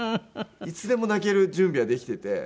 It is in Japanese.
いつでも泣ける準備はできてて。